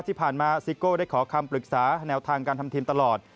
ซิโก้ได้ขอคำปรึกษาแนวทางการทำทีมตลอด